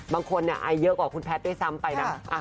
บางคนไอเยอะกว่าคุณแพทย์ด้วยซ้ำไปนะ